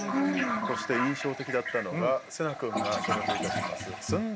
そして印象的だったのが聖成君が所属いたします駿台